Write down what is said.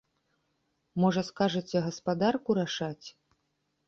Можа, скажаце, гаспадарку рашаць?